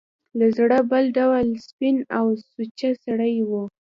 له زړه بل ډول سپین او سوچه سړی و.